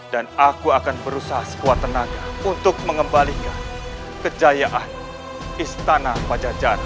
dan aku akan berusaha sekuat tenaga untuk mengembalikan kejayaan istana pajajaran